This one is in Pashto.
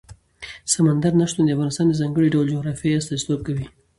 سمندر نه شتون د افغانستان د ځانګړي ډول جغرافیه استازیتوب کوي.